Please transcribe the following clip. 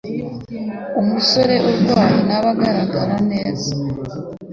Umusore urakaye ntaba agaragara neza